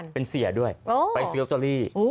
เป็นเจรียร์ด้วยไปซื้อนะ